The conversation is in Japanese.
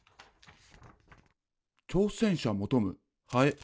「挑戦者求むハエ」。